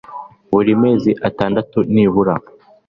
buri mezi atandatu nibura